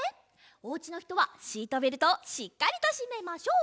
おうちのひとはシートベルトをしっかりとしめましょう。